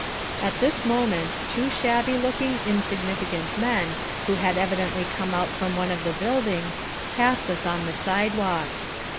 At this moment two shabby looking, insignificant men who had evidently come out from one of the buildings, passed us on the sidewalk.